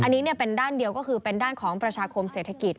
อันนี้เป็นด้านเดียวก็คือเป็นด้านของประชาคมเศรษฐกิจ